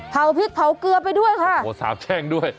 เผาพริกเผาเกลือไปด้วยค่ะโอ้โหสาบแช่งด้วย